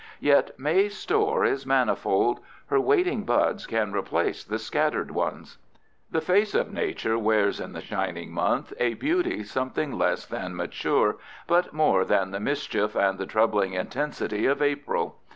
Yet May's store is manifold; her waiting buds can replace the scattered ones. The face of Nature wears in the shining month a beauty something less than mature, but more than the mischief and troubling intensity of April.